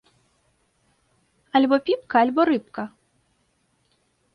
Альбо піпка, альбо рыбка!